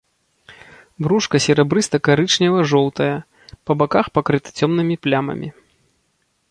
Брушка серабрыста-карычнева-жоўтае, па баках пакрыта цёмнымі плямамі.